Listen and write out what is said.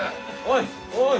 おい！